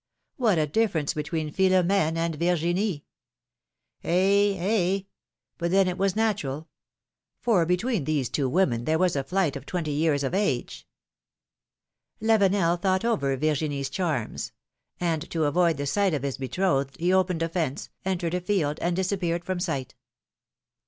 What a difference between Philomene and Virginie ! Eh! eh! but then it was natural; for between those two women there Avas a flight of twenty years of age. LaA^enel thought over Yirginie's charms; and to avoid the sight of his betrothed, he opened a fence, entered a field, and disappeared from sight.